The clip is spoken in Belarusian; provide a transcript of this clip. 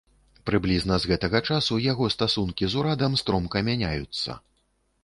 Прыблізна з гэтага часу яго стасункі з урадам стромка мяняюцца.